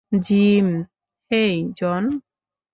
Gym hey, John.